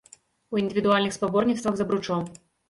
У індывідуальных спаборніцтвах з абручом.